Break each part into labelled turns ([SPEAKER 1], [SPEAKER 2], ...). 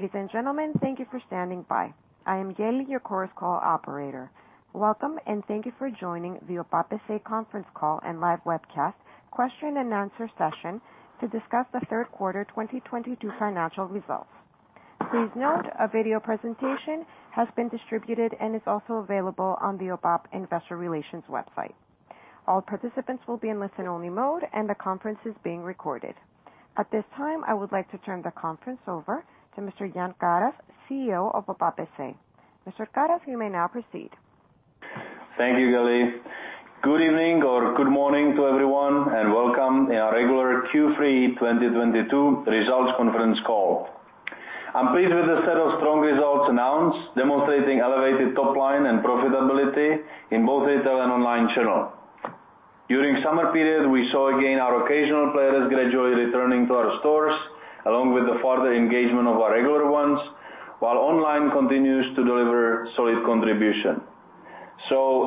[SPEAKER 1] Ladies and gentlemen, thank you for standing by. I am Gali, your Chorus Call operator. Welcome and thank you for joining the OPAP S.A. conference call and live webcast question and answer session to discuss the third quarter 2022 financial results. Please note, a video presentation has been distributed and is also available on the OPAP investor relations website. All participants will be in listen-only mode, and the conference is being recorded. At this time, I would like to turn the conference over to Mr. Jan Karas, CEO of OPAP S.A. Mr. Karas, you may now proceed.
[SPEAKER 2] Thank you, Kelly. Good evening or good morning to everyone, welcome in our regular Q3 2022 results conference call. I'm pleased with the set of strong results announced, demonstrating elevated top line and profitability in both retail and online channel. During summer period, we saw, again, our occasional players gradually returning to our stores, along with the further engagement of our regular ones, while online continues to deliver solid contribution.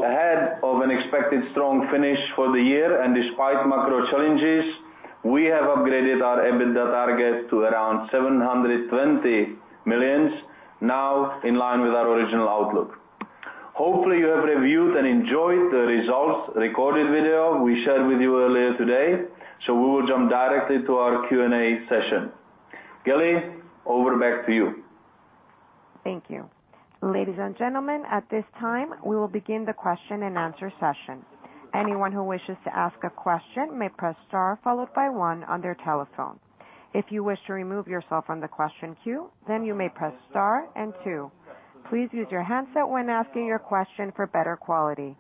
[SPEAKER 2] Ahead of an expected strong finish for the year and despite macro challenges, we have upgraded our EBITDA target to around 720 million, now in line with our original outlook. Hopefully, you have reviewed and enjoyed the results recorded video we shared with you earlier today, we will jump directly to our Q&A session. Gali, over back to you.
[SPEAKER 1] Thank you. Ladies and gentlemen, at this time, we will begin the question-and-answer session. Anyone who wishes to ask a question may press star followed by one on their telephone. If you wish to remove yourself from the question queue, then you may press star and two. Please use your handset when asking your question for better quality.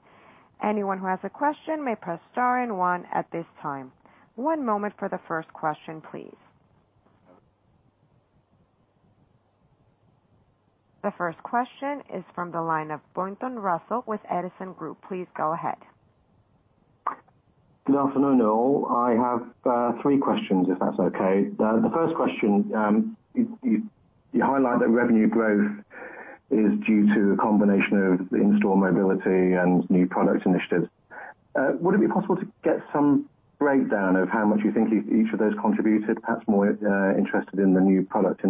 [SPEAKER 1] Anyone who has a question may press star and one at this time. One moment for the first question, please. The first question is from the line of Pointon Russell with Edison Group. Please go ahead.
[SPEAKER 3] Good afternoon to all. I have three questions, if that's okay. The first question, you highlight that revenue growth is due to a combination of the in-store mobility and new product initiatives. Would it be possible to get some breakdown of how much you think each of those contributed? Perhaps more interested in the new product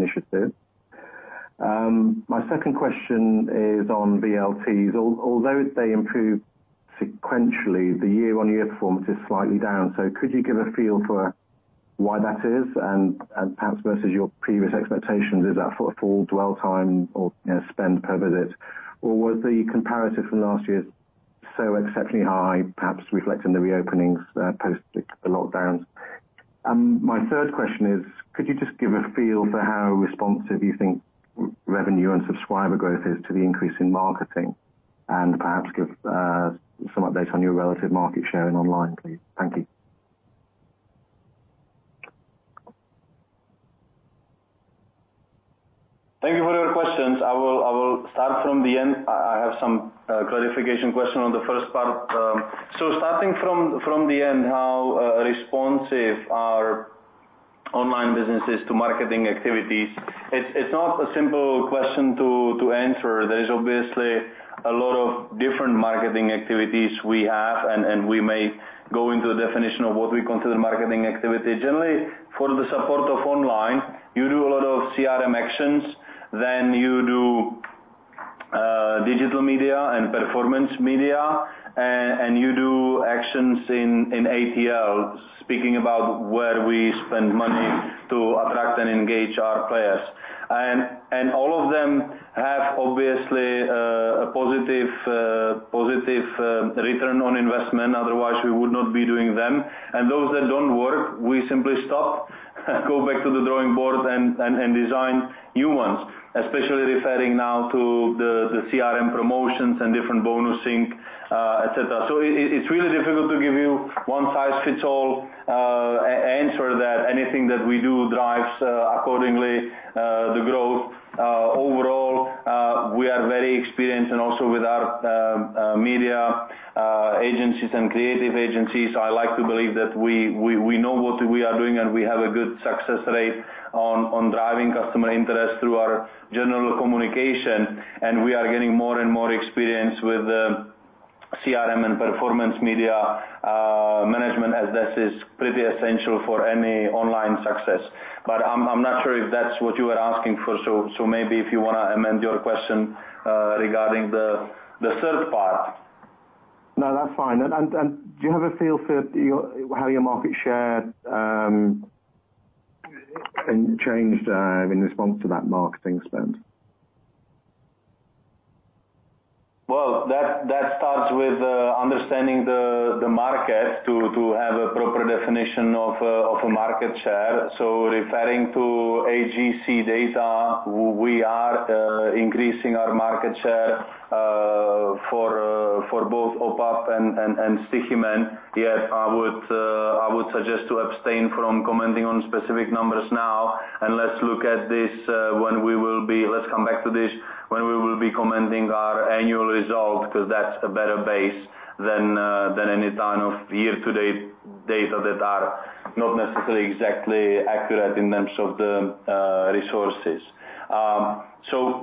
[SPEAKER 3] initiative. My second question is on VLTs. Although they improved sequentially, the year-on-year performance is slightly down. Could you give a feel for why that is and perhaps versus your previous expectations, is that for dwell time or, you know, spend per visit, or was the comparative from last year so exceptionally high, perhaps reflecting the reopenings post the lockdowns? My third question is, could you just give a feel for how responsive you think revenue and subscriber growth is to the increase in marketing and perhaps give some updates on your relative market share in online, please? Thank you.
[SPEAKER 2] Thank you for your questions. I will start from the end. I have some clarification question on the first part. Starting from the end, how responsive are online businesses to marketing activities. It's not a simple question to answer. There is obviously a lot of different marketing activities we have, and we may go into a definition of what we consider marketing activity. Generally, for the support of online, you do a lot of CRM actions, then you do digital media and performance media, and you do actions in ATL, speaking about where we spend money to attract and engage our players. All of them have obviously a positive positive return on investment. Otherwise, we would not be doing them. Those that don't work, we simply stop, go back to the drawing board and design new ones, especially referring now to the CRM promotions and different bonusing, etc. It's really difficult to give you one-size-fits-all answer that anything that we do drives accordingly the growth. Overall, we are very experienced and also with our media agencies and creative agencies. I like to believe that we know what we are doing, and we have a good success rate on driving customer interest through our general communication. We are getting more and more experience with CRM and performance media management as this is pretty essential for any online success. I'm not sure if that's what you were asking for. Maybe if you wanna amend your question, regarding the third part.
[SPEAKER 3] No, that's fine. Do you have a feel for how your market share changed in response to that marketing spend?
[SPEAKER 2] Well, that starts with understanding the market to have a proper definition of a market share. Referring to AGC data, we are increasing our market share for both OPAP and Stoiximan. Yet, I would suggest to abstain from commenting on specific numbers now. Let's look at this. Let's come back to this when we will be commenting our annual result because that's a better base than any ton of year-to-date data that are not necessarily exactly accurate in terms of the resources.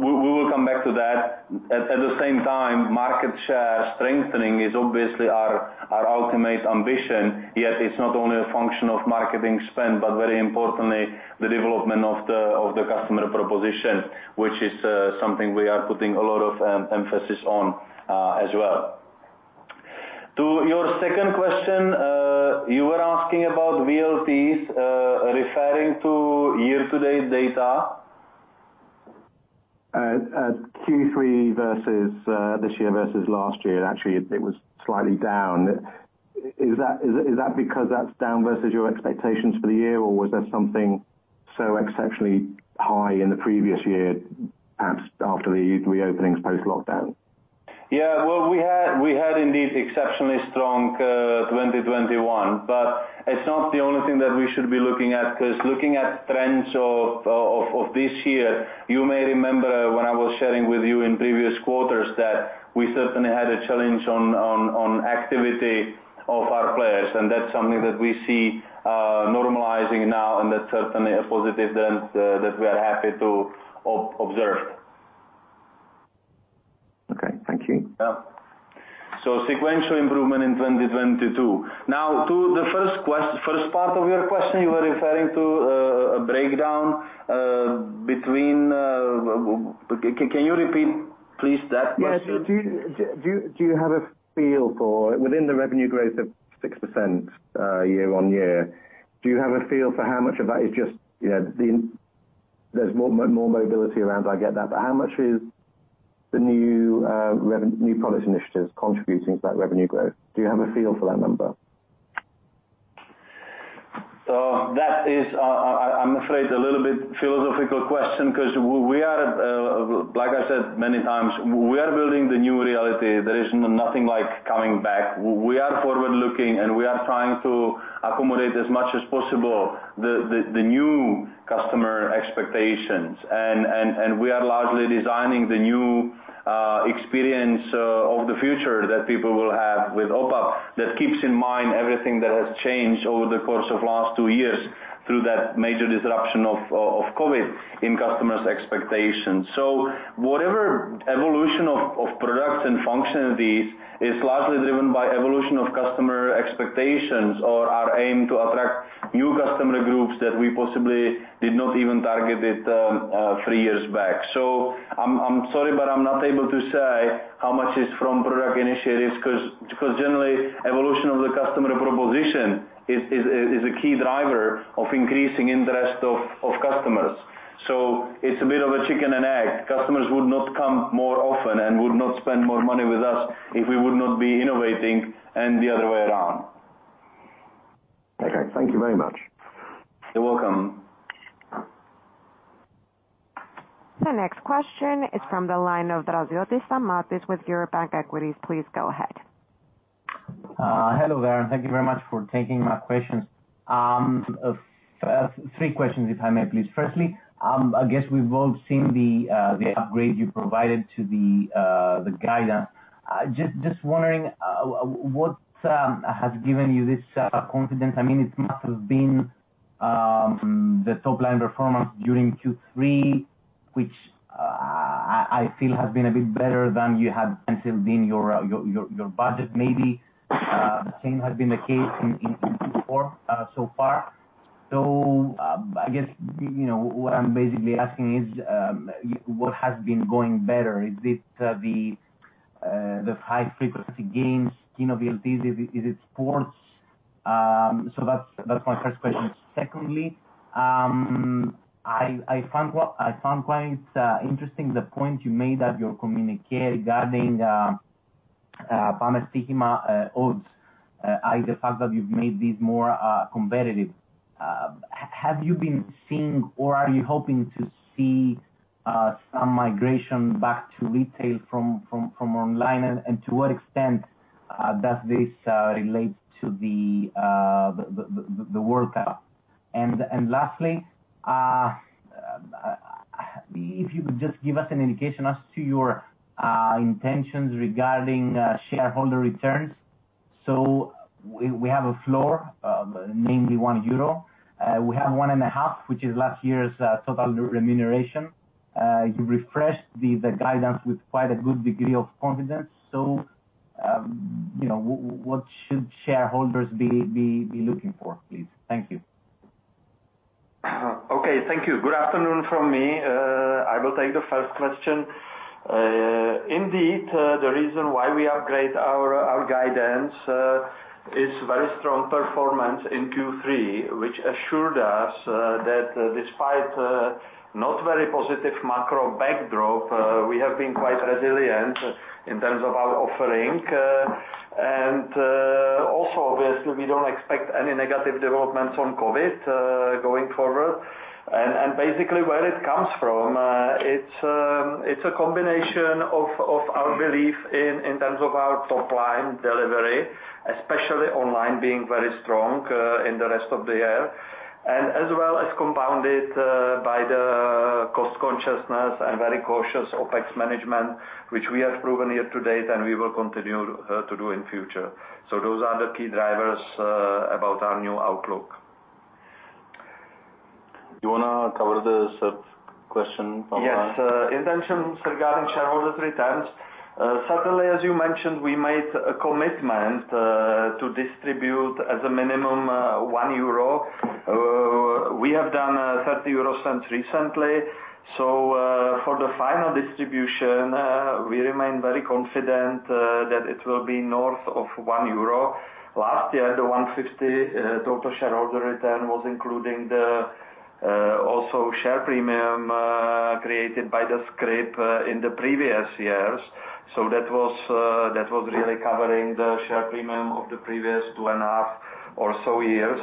[SPEAKER 2] We will come back to that. At the same time, market share strengthening is obviously our ultimate ambition. It's not only a function of marketing spend, but very importantly, the development of the customer proposition, which is something we are putting a lot of emphasis on as well. To your second question, you were asking about VLTs, referring to year-to-date data.
[SPEAKER 3] Q3 versus this year versus last year, actually it was slightly down. Is that because that's down versus your expectations for the year? Or was there something so exceptionally high in the previous year after the reopenings post-lockdown?
[SPEAKER 2] Well, we had indeed exceptionally strong, 2021. It's not the only thing that we should be looking at, 'cause looking at trends of this year, you may remember when I was sharing with you in previous quarters that we certainly had a challenge on activity of our players. That's something that we see normalizing now. That's certainly a positive trend that we are happy to observe.
[SPEAKER 3] Okay. Thank you.
[SPEAKER 2] Yeah. Sequential improvement in 2022. Now to the first part of your question, you were referring to a breakdown between, can you repeat please that question?
[SPEAKER 3] Yeah. Do you have a feel for within the revenue growth of 6% year-on-year, do you have a feel for how much of that is just, you know, there's more, more mobility around, I get that, but how much is the new product initiatives contributing to that revenue growth? Do you have a feel for that number?
[SPEAKER 2] That is, I'm afraid a little bit philosophical question 'cause we are, like I said many times, we are building the new reality. There is nothing like coming back. We are forward-looking, and we are trying to accommodate as much as possible the new customer expectations. We are largely designing the new experience of the future that people will have with OPAP that keeps in mind everything that has changed over the course of last two years through that major disruption of COVID in customers' expectations. Whatever evolution of products and functionalities is largely driven by evolution of customer expectations or our aim to attract new customer groups that we possibly did not even targeted three years back. I'm sorry, but I'm not able to say how much is from product initiatives because generally, evolution of the customer proposition is a key driver of increasing interest of customers. It's a bit of a chicken and egg. Customers would not come more often and would not spend more money with us if we would not be innovating and the other way around.
[SPEAKER 3] Okay. Thank you very much.
[SPEAKER 2] You're welcome.
[SPEAKER 1] The next question is from the line of Draziotis Stamatios with Eurobank Equities. Please go ahead.
[SPEAKER 4] Hello there, and thank you very much for taking my questions. Three questions if I may please. Firstly, I guess we've all seen the upgrade you provided to the guidance. Just wondering what has given you this confidence? I mean, it must have been the top line performance during Q3, which I feel has been a bit better than you had anticipated in your budget maybe. Same has been the case in Q4 so far. I guess, you know, what I'm basically asking is what has been going better? Is it the high-frequency games, you know, VLTs? Is it sports? That's my first question. Secondly, I found quite interesting the point you made at your communique regarding Pamestoixima odds, i.e., the fact that you've made these more competitive. Have you been seeing or are you hoping to see some migration back to retail from online? To what extent does this relate to the World Cup? Lastly, if you could just give us an indication as to your intentions regarding shareholder returns. We have a floor of namely 1 euro. We have 1.5, which is last year's total remuneration. You refreshed the guidance with quite a good degree of confidence. You know, what should shareholders be looking for, please? Thank you.
[SPEAKER 2] Okay. Thank you. Good afternoon from me. I will take the first question. Indeed, the reason why we upgrade our guidance is very strong performance in Q3, which assured us that despite not very positive macro backdrop, we have been quite resilient in terms of our offering. Also obviously we don't expect any negative developments on COVID going forward. Basically where it comes from, it's a combination of our belief in terms of our top line delivery, especially online being very strong in the rest of the year. As well as compounded by the cost consciousness and very cautious OPEX management, which we have proven year to date, and we will continue to do in future. Those are the key drivers about our new outlook.
[SPEAKER 4] You wanna cover the sub-question from Mark?
[SPEAKER 5] Yes. Intentions regarding shareholders returns. Certainly, as you mentioned, we made a commitment to distribute as a minimum, 1 euro. We have done 0.30 recently. For the final distribution, we remain very confident that it will be north of 1 euro. Last year, the 1.50 total shareholder return was including the also share premium created by the script in the previous years. That was really covering the share premium of the previous 2.5 or so years.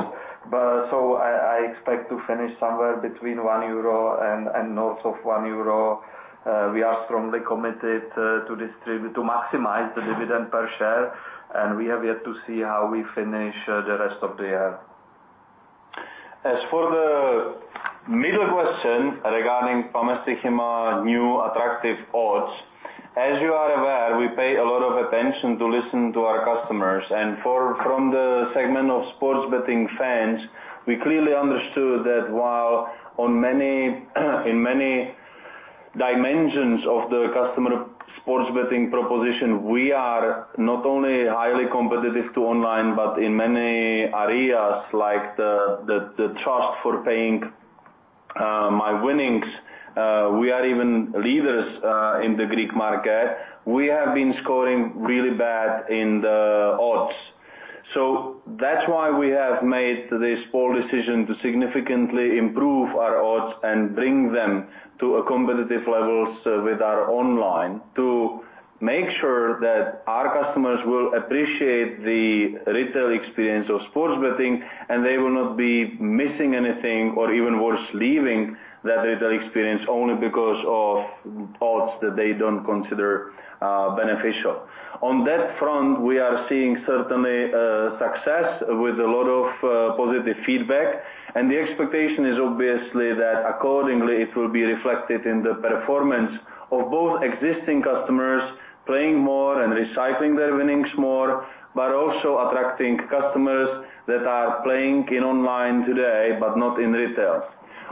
[SPEAKER 5] I expect to finish somewhere between 1 euro and north of 1 euro. We are strongly committed to maximize the dividend per share, and we have yet to see how we finish the rest of the year.
[SPEAKER 2] As for the middle question regarding Pamestoixima new attractive odds. As you are aware, we pay a lot of attention to listen to our customers. From the segment of sports betting fans, we clearly understood that while on many in many dimensions of the customer sports betting proposition, we are not only highly competitive to online, but in many areas, like the trust for paying my winnings, we are even leaders in the Greek market. We have been scoring really bad in the odds. That's why we have made this bold decision to significantly improve our odds and bring them to competitive levels with our online to make sure that our customers will appreciate the retail experience of sports betting, and they will not be missing anything or even worse, leaving that retail experience only because of odds that they don't consider beneficial. On that front, we are seeing certainly success with a lot of positive feedback. The expectation is obviously that accordingly, it will be reflected in the performance of both existing customers playing more and recycling their winnings more, but also attracting customers that are playing in online today, but not in retail.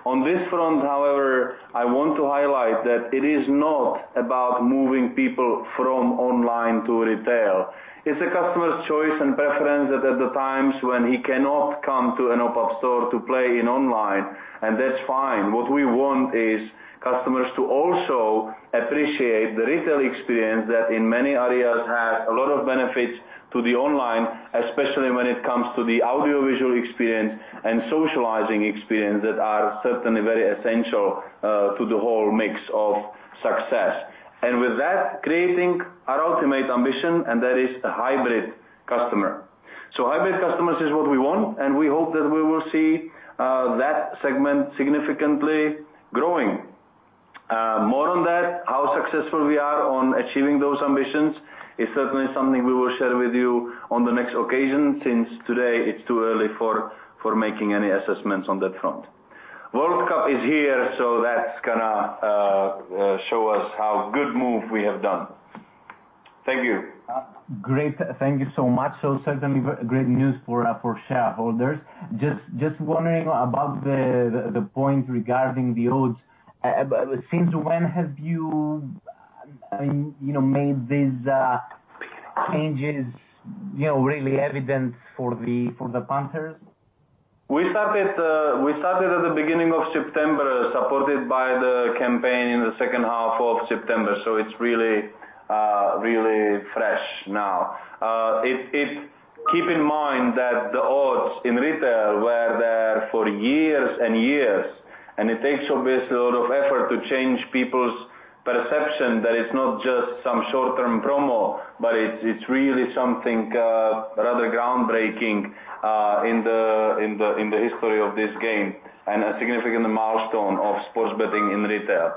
[SPEAKER 2] On this front, however, I want to highlight that it is not about moving people from online to retail. It's a customer's choice and preference that at the times when he cannot come to an OPAP store to play in online, and that's fine. What we want is customers to also appreciate the retail experience that in many areas has a lot of benefits to the online, especially when it comes to the audiovisual experience and socializing experience that are certainly very essential to the whole mix of success. With that, creating our ultimate ambition, and that is a hybrid customer. Hybrid customers is what we want, and we hope that we will see that segment significantly growing. More on that, how successful we are on achieving those ambitions is certainly something we will share with you on the next occasion, since today it's too early for making any assessments on that front. World Cup is here, so that's gonna show us how good move we have done. Thank you.
[SPEAKER 4] Great. Thank you so much. Certainly great news for shareholders. Just wondering about the point regarding the odds. Since when have you know, made these changes, you know, really evident for the punters?
[SPEAKER 2] We started at the beginning of September, supported by the campaign in the second half of September, so it's really, really fresh now. Keep in mind that the odds in retail were there for years and years, and it takes obviously a lot of effort to change people's perception that it's not just some short-term promo, but it's really something rather groundbreaking in the history of this game and a significant milestone of sports betting in retail.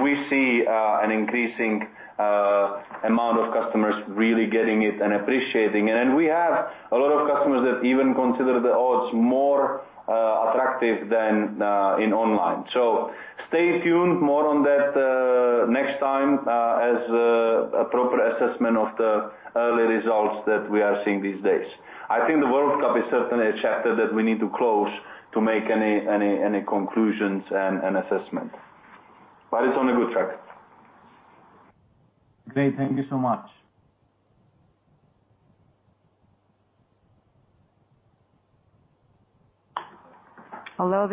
[SPEAKER 2] We see an increasing amount of customers really getting it and appreciating it. We have a lot of customers that even consider the odds more attractive than in online. Stay tuned more on that, next time, as a proper assessment of the early results that we are seeing these days. I think the World Cup is certainly a chapter that we need to close to make any conclusions and assessment. It's on a good track.
[SPEAKER 4] Great. Thank you so much.
[SPEAKER 1] Hello,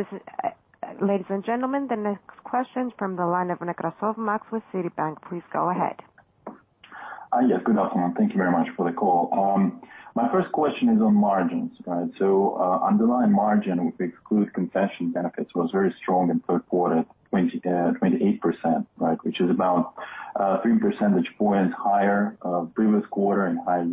[SPEAKER 1] ladies and gentlemen, the next question is from the line of Nekrasov Maxim with Citibank. Please go ahead.
[SPEAKER 6] Yes, good afternoon. Thank you very much for the call. My first question is on margins, right? Underlying margin, if we exclude concession benefits, was very strong in third quarter, 28%, right? Which is about 3 percentage points higher, previous quarter and higher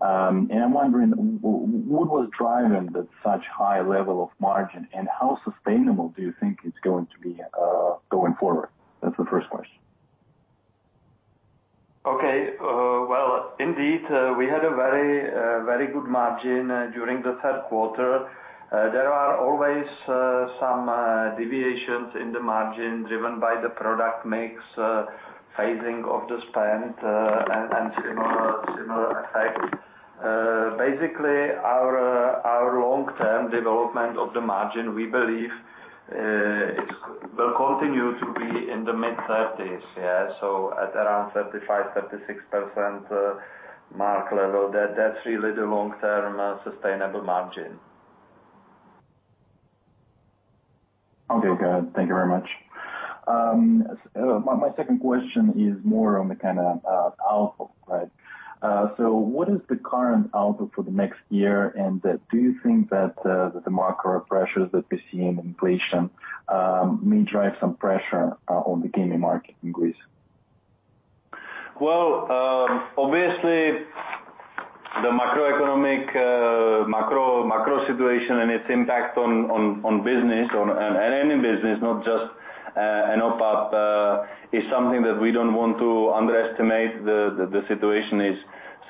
[SPEAKER 6] year-on-year. I'm wondering what was driving that such high level of margin, and how sustainable do you think it's going to be, going forward? That's the first question.
[SPEAKER 2] Okay. well, indeed, we had a very, very good margin during the third quarter. There are always some deviations in the margin driven by the product mix, phasing of the spend, and similar effects. Basically our long-term development of the margin, we believe, will continue to be in the mid-30s. Yeah. At around 35%, 36%, mark level. That's really the long-term, sustainable margin.
[SPEAKER 6] Okay, got it. Thank you very much. My second question is more on the kind of output side. What is the current output for the next year, and do you think that the macro pressures that we see in inflation may drive some pressure on the gaming market in Greece?
[SPEAKER 2] Well, obviously the macroeconomic situation and its impact on business and any business, not just OPAP, is something that we don't want to underestimate. The situation is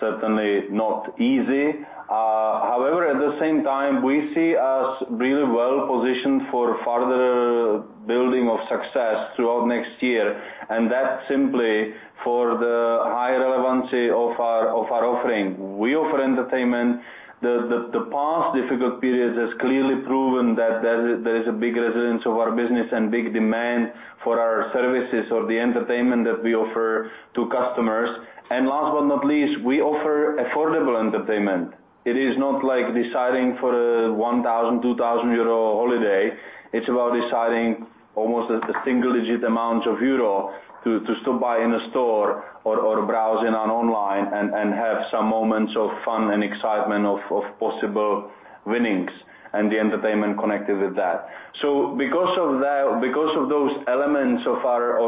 [SPEAKER 2] certainly not easy. However, at the same time, we see us really well positioned for further building of success throughout next year, and that's simply for the high relevancy of our offering. We offer entertainment. The past difficult periods has clearly proven that there is a big resilience of our business and big demand for our services or the entertainment that we offer to customers. Last but not least, we offer affordable entertainment. It is not like deciding for a 1,000 euro, 2,000 euro holiday. It's about deciding almost a single-digit amount of EUR to buy in a store or browsing on online and have some moments of fun and excitement of possible winnings and the entertainment connected with that. Because of that, because of those elements of our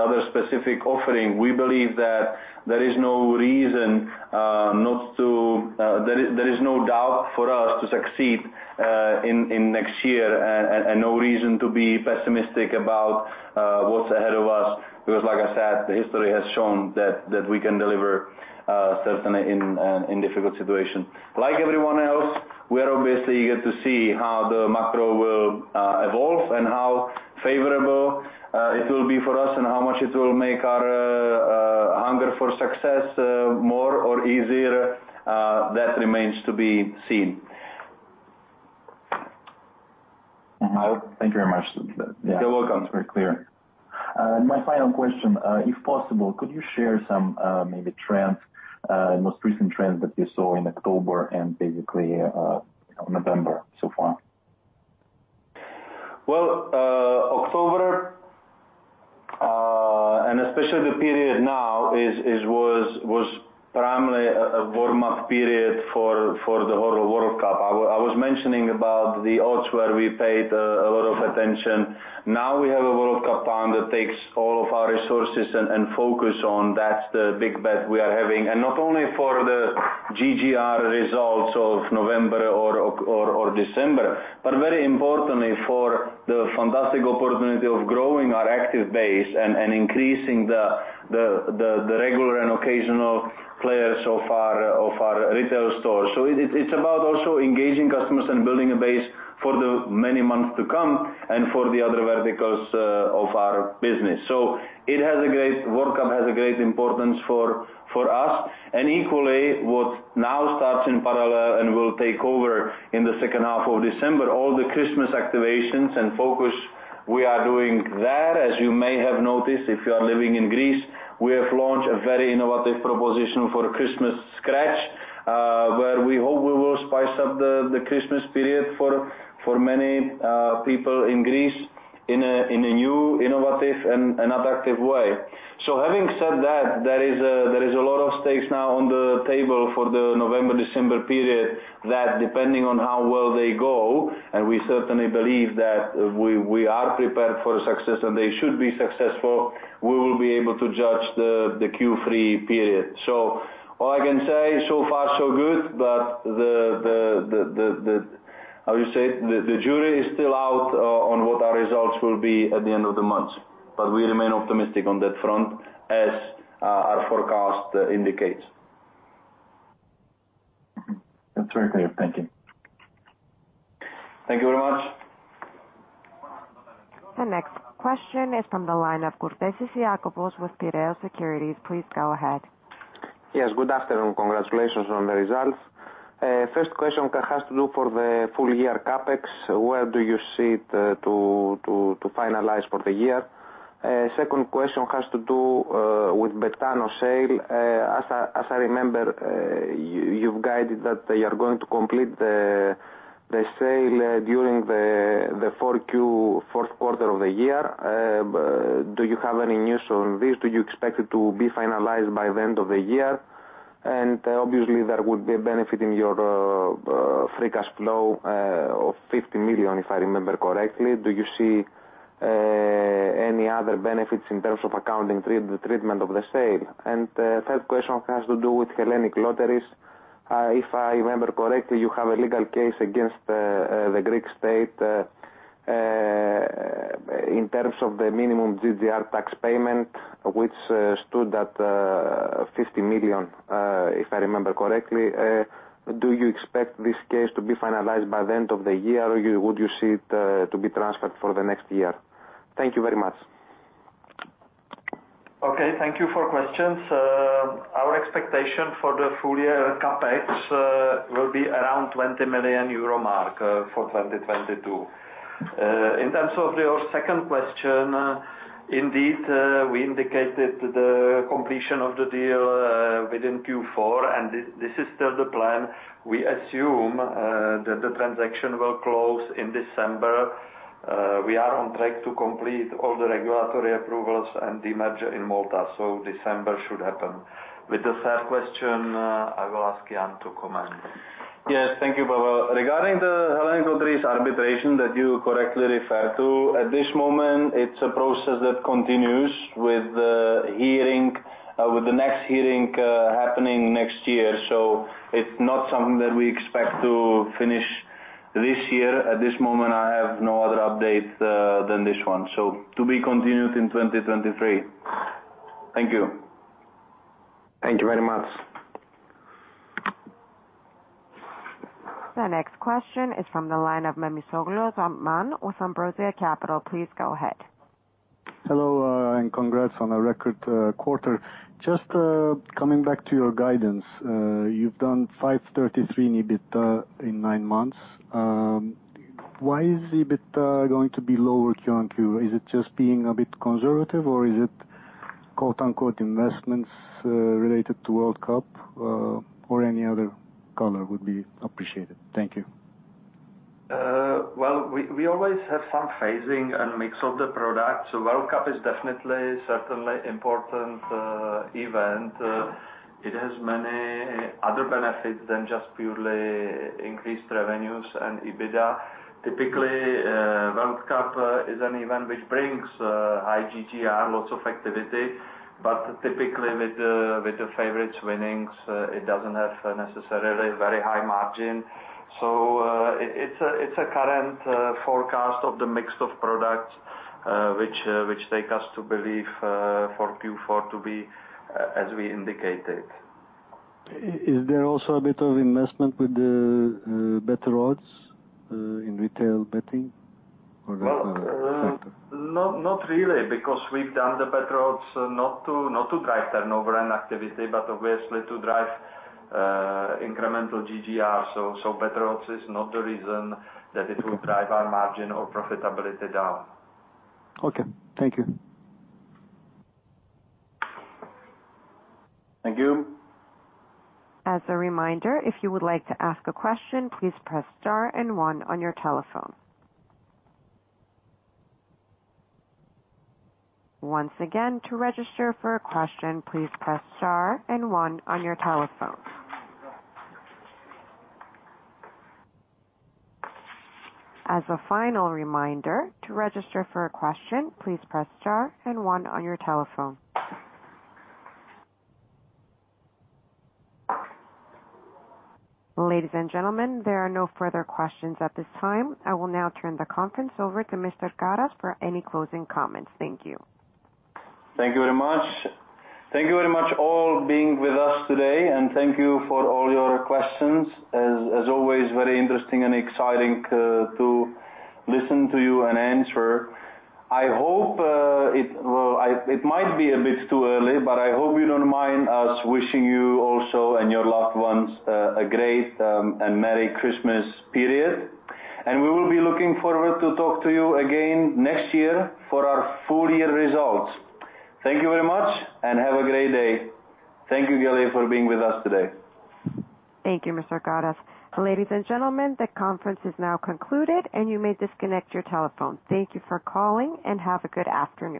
[SPEAKER 2] other specific offering, we believe that there is no reason not to, there is no doubt for us to succeed in next year and no reason to be pessimistic about what's ahead of us. Like I said, history has shown that we can deliver certainly in difficult situation. Like everyone else, we are obviously eager to see how the macro will evolve and how favorable it will be for us and how much it will make our hunger for success more or easier, that remains to be seen.
[SPEAKER 6] Mm-hmm. Thank you very much.
[SPEAKER 2] You're welcome.
[SPEAKER 6] That's very clear. My final question, if possible, could you share some maybe trends, most recent trends that you saw in October and basically, November so far?
[SPEAKER 2] Well, October, and especially the period now was primarily a warm-up period for the whole World Cup. I was mentioning about the odds where we paid a lot of attention. Now we have a World Cup round that takes all of our resources and focus on. That's the big bet we are having, and not only for the GGR results of November or December, but very importantly for the fantastic opportunity of growing our active base and increasing the regular and occasional players of our retail stores. It's about also engaging customers and building a base for the many months to come and for the other verticals of our business. World Cup has a great importance for us. Equally, what now starts in parallel and will take over in the second half of December, all the Christmas activations and focus we are doing there. As you may have noticed, if you are living in Greece, we have launched a very innovative proposition for Christmas Scratch, where we hope we will spice up the Christmas period for many people in Greece in a new, innovative and attractive way. Having said that, there is a lot of stakes now on the table for the November-December period that depending on how well they go, and we certainly believe that we are prepared for success, and they should be successful, we will be able to judge the Q3 period. All I can say, so far so good, but the How you say? The jury is still out on what our results will be at the end of the month. We remain optimistic on that front as our forecast indicates.
[SPEAKER 6] That's very clear. Thank you.
[SPEAKER 2] Thank you very much.
[SPEAKER 1] The next question is from the line of Kourtesi Iacovos with Piraeus Securities. Please go ahead.
[SPEAKER 7] Yes. Good afternoon. Congratulations on the results. First question
[SPEAKER 2] Yes. Thank you, Pavel. Regarding the Hellenic Lotteries arbitration that you correctly refer to, at this moment it's a process that continues with the hearing, with the next hearing, happening next year. It's not something that we expect to finish this year. At this moment, I have no other updates, than this one. To be continued in 2023. Thank you.
[SPEAKER 7] Thank you very much.
[SPEAKER 1] The next question is from the line of Memisoglu Osman with Ambrosia Capital. Please go ahead.
[SPEAKER 8] Hello, and congrats on a record quarter. Just coming back to your guidance, you've done 533 in EBIT in nine months. Why is the EBIT going to be lower Q on Q? Is it just being a bit conservative or is it, quote-unquote, "investments," related to World Cup, or any other color would be appreciated. Thank you.
[SPEAKER 5] Well, we always have some phasing and mix of the products. World Cup is definitely certainly important event. It has many other benefits than just purely increased revenues and EBITDA. Typically, World Cup is an event which brings high GGR, lots of activity, but typically with the favorites winnings, it doesn't have necessarily very high margin. It's a current forecast of the mix of products which take us to believe for Q4 to be as we indicated.
[SPEAKER 8] Is there also a bit of investment with the better odds in retail betting or that factor?
[SPEAKER 5] Not really because we've done the better odds not to drive turnover and activity, but obviously to drive incremental GGR. Better odds is not the reason that it will drive our margin or profitability down.
[SPEAKER 8] Okay. Thank you.
[SPEAKER 2] Thank you.
[SPEAKER 1] As a reminder, if you would like to ask a question, please press star and one on your telephone. Once again, to register for a question, please press star and one on your telephone. As a final reminder, to register for a question, please press star and one on your telephone. Ladies and gentlemen, there are no further questions at this time. I will now turn the conference over to Mr. Karas for any closing comments. Thank you.
[SPEAKER 2] Thank you very much. Thank you very much all being with us today, and thank you for all your questions. As always, very interesting and exciting to listen to you and answer. I hope it might be a bit too early, but I hope you don't mind us wishing you also and your loved ones, a great and merry Christmas period, and we will be looking forward to talk to you again next year for our full year results. Thank you very much and have a great day. Thank you, Gali, for being with us today.
[SPEAKER 1] Thank you, Mr. Karas. Ladies and gentlemen, the conference is now concluded, and you may disconnect your telephone. Thank you for calling, and have a good afternoon.